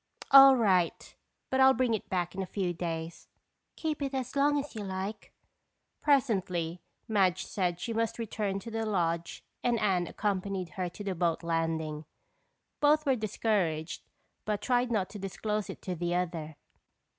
"All right, but I'll bring it back in a few days." "Keep it as long as you like." Presently, Madge said that she must return to the lodge and Anne accompanied her to the boat landing. Both were discouraged but tried not to disclose it to the other.